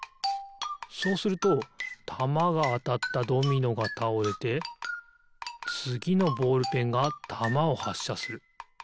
そうするとたまがあたったドミノがたおれてつぎのボールペンがたまをはっしゃする。